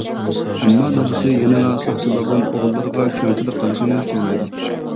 ئەمما دادىسى يەنىلا ساقچىلاردىن ئوغۇللىرىغا كەڭچىلىك قىلىشىنى سورايدۇ.